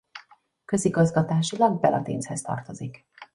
Közigazgatásilag Belatinchez tartozik.